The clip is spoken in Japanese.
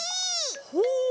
ほう！